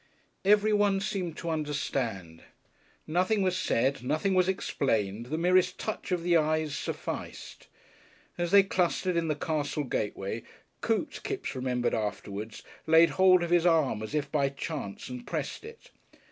§3 Everyone seemed to understand. Nothing was said, nothing was explained, the merest touch of the eyes sufficed. As they clustered in the castle gateway Coote, Kipps remembered afterwards, laid hold of his arm as if by chance and pressed it.